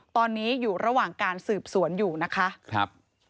ตอนนี้อยู่ระหว่างการสืบสวนอยู่นะคะครับ